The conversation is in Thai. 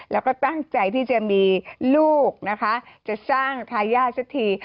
แล้วก็ตั้งใจที่จะมีลูกนะคะจะสร้างทายาทสักที